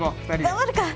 頑張るか！